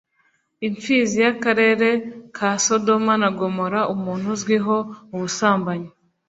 imfizi y’akarere ka sodoma na gomora: umuntu uzwiho ubusambanyi